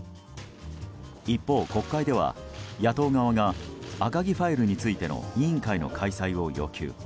一方、国会では、野党側が赤木ファイルについての委員会の開催を要求。